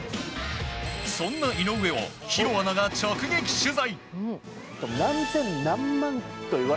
そんな井上を弘アナが直撃取材。